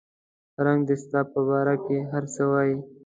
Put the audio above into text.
رنګ دې ستا په باره کې هر څه وایي